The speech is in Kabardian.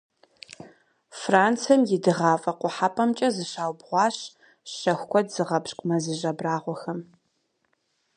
Францием и дыгъафӀэ-къухьэпӀэмкӀэ зыщаубгъуащ щэху куэд зыгъэпщкӏу мэзыжь абрагъуэхэм.